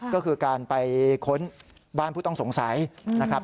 ก็คือการไปค้นบ้านผู้ต้องสงสัยนะครับ